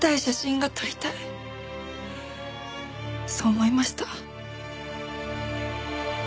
そう思いました。